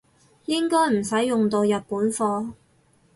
應該唔使用到日本貨